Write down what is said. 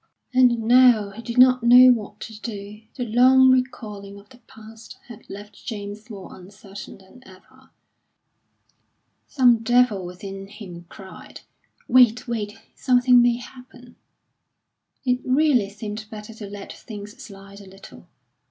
And now he did not know what to do. The long recalling of the past had left James more uncertain than ever. Some devil within him cried, "Wait, wait! Something may happen!" It really seemed better to let things slide a little.